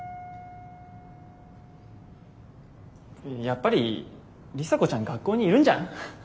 やっぱり里紗子ちゃん学校にいるんじゃん？